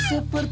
keh keh nih